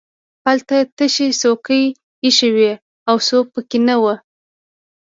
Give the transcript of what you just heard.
هلته تشې څوکۍ ایښې وې او څوک پکې نه وو